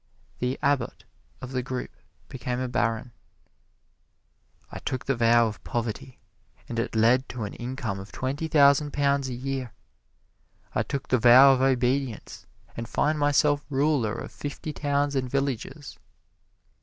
The Abbot of the group became a Baron. "I took the vow of poverty, and it led to an income of twenty thousand pounds a year. I took the vow of obedience and find myself ruler of fifty towns and villages."